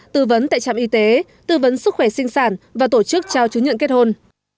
tư vấn tại trạm y tế tư vấn sức khỏe sinh sản và tổ chức trao chứng nhận kết hôn